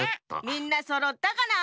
みんなそろったかな？